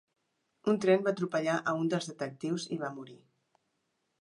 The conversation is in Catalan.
Un tren va atropellar a un dels detectius i va morir.